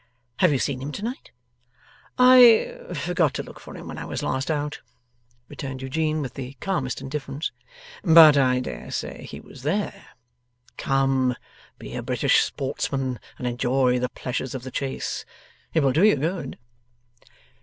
'Have you seen him to night?' 'I forgot to look for him when I was last out,' returned Eugene with the calmest indifference; 'but I dare say he was there. Come! Be a British sportsman and enjoy the pleasures of the chase. It will do you good.